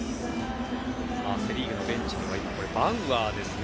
セ・リーグのベンチにはバウアーですね。